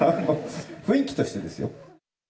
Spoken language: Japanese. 雰囲気としてですよ。